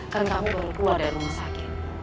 karena kamu baru keluar dari rumah sakit